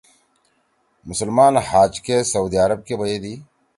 مسلمان حج کے سعودی عرب کے بیَدی۔